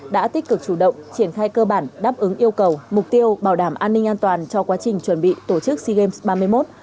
đã tích cực chủ động triển khai cơ bản đáp ứng yêu cầu mục tiêu bảo đảm an ninh an toàn cho quá trình chuẩn bị tổ chức sea games ba mươi một